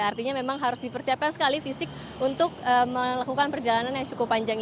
artinya memang harus dipersiapkan sekali fisik untuk melakukan perjalanan yang cukup panjang